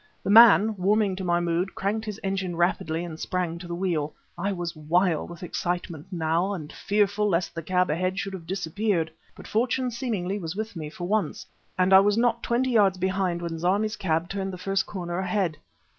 The man, warming to my mood, cranked his engine rapidly and sprang to the wheel. I was wild with excitement now, and fearful lest the cab ahead should have disappeared; but fortune seemingly was with me for once, and I was not twenty yards behind when Zarmi's cab turned the first corner ahead.